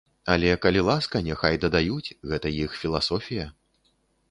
Але, калі ласка, няхай дадаюць, гэта іх філасофія.